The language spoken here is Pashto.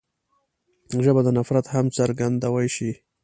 ژبه د نفرت هم څرګندوی شي